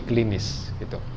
dan kita harus melakukan uji klinis